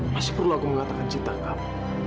masih perlu aku mengatakan cinta kamu